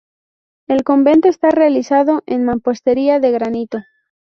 El convento está realizado en mampostería de granito.